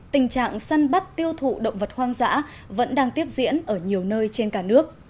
tình trạng săn bắt tiêu thụ động vật hoang dã vẫn đang tiếp diễn ở nhiều nơi trên cả nước